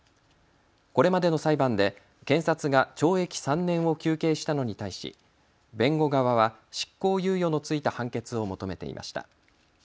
これまでの裁判で検察が懲役３年を求刑したのに対し、弁護側は執行猶予のついた判決を求めていました。